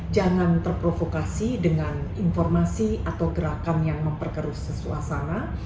jangan terprovokasi dengan informasi atau gerakan yang memperkerus suasana